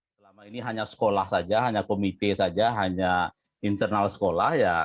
selama ini hanya sekolah saja hanya komite saja hanya internal sekolah ya